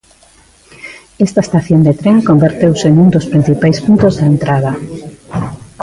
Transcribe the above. Esta estación de tren converteuse nun dos principais puntos de entrada.